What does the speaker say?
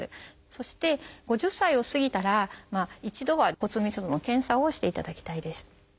そして５０歳を過ぎたら一度は骨密度の検査をしていただきたいです。